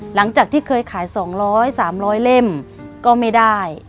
หลังจากที่เคยขาย๒๐๐๓๐๐เล่มก็ไม่ได้